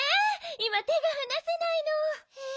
いまてがはなせないの。え！